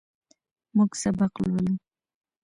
موږ سبق لولو.